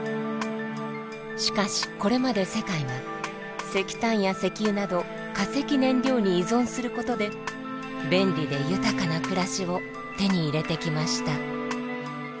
しかしこれまで世界は石炭や石油など化石燃料に依存することで便利で豊かな暮らしを手に入れてきました。